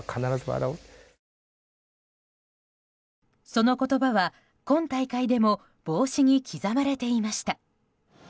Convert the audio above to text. その言葉は、今大会でも帽子に刻まれていました。